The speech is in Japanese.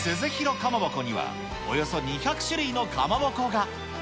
かまぼこにはおよそ２００種類のかまぼこが。